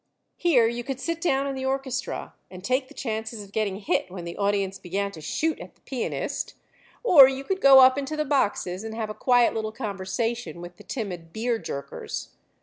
Here you could sit down in the orchestra and take the chances of getting hit when the audience began to shoot at the pianist, or you could go up into the boxes and have a quiet little conversation with the timid beer jerkers.